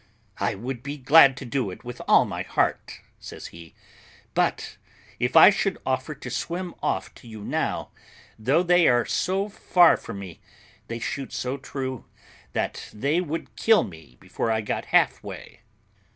"I would be glad to do it with all my heart," says he; "but if I should offer to swim off to you now, though they are so far from me, they shoot so true that they would kill me before I got half way."